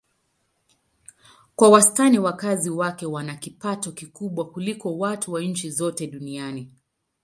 Kwa wastani wakazi wake wana kipato kikubwa kuliko watu wa nchi zote duniani.